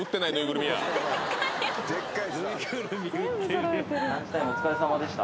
ランチタイムお疲れさまでした。